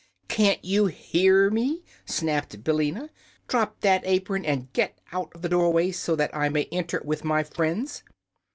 "Can't you hear me?" snapped Billina. "Drop that apron, and get out of the doorway, so that I may enter with my friends!"